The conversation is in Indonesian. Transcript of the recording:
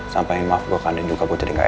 sampaikan maaf gue kandil juga buat jadi gak enak